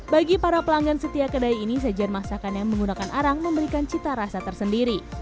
bagi para pelanggan setia kedai ini sajian masakan yang menggunakan arang memberikan cita rasa tersendiri